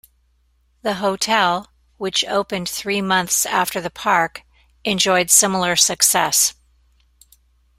The hotel, which opened three months after the park, enjoyed similar success.